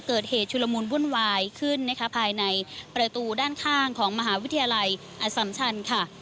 ชุลมุนวุ่นวายขึ้นนะคะภายในประตูด้านข้างของมหาวิทยาลัยอสัมชันค่ะ